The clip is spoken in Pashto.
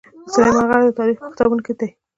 سلیمان غر د تاریخ په کتابونو کې دی.